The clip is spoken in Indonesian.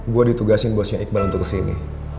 gue ditugasin bosnya iqbal untuk kesini